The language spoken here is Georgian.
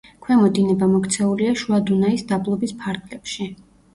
ქვემო დინება მოქცეულია შუა დუნაის დაბლობის ფარგლებში.